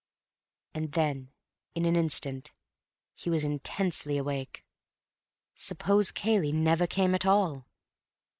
And then, in an instant, he was intensely awake. Suppose Cayley never came at all!